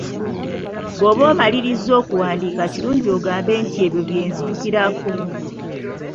Bw'oba omaliriza okuwandiika kirungi ogambe nti ebyo bye nzijukirako.